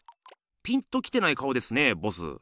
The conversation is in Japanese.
ピンときてない顔ですねボス。